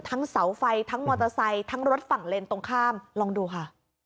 เสาไฟทั้งมอเตอร์ไซค์ทั้งรถฝั่งเลนตรงข้ามลองดูค่ะ